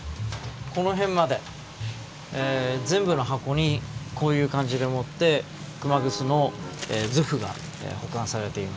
この辺まで全部の箱にこういう感じでもって熊楠の図譜が保管されています。